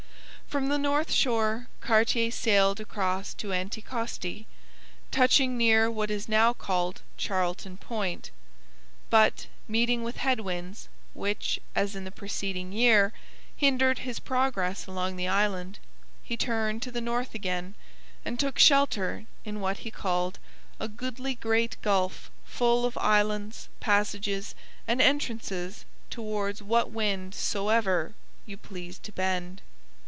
From the north shore Cartier sailed across to Anticosti, touching near what is now called Charleton Point; but, meeting with head winds, which, as in the preceding year, hindered his progress along the island, he turned to the north again and took shelter in what he called a 'goodly great gulf full of islands, passages, and entrances towards what wind soever you please to bend.'